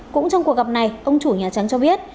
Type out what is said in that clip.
cũng trong cuộc gặp này ông chủ nhà trắng cho biết